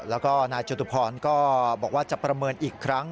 แล้วก็นายจตุพรก็บอกว่าจะประเมินอีกครั้ง